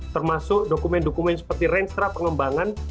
termasuk dokumen dokumen seperti renstra pengembangan